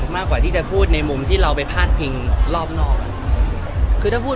มากกว่าที่จะพูดในมุมที่เราไปพาดพิงรอบนอก